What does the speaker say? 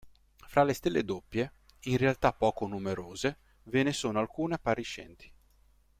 Fra le stelle doppie, in realtà poco numerose, ve ne sono alcune appariscenti.